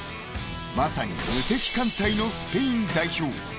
［まさに無敵艦隊のスペイン代表］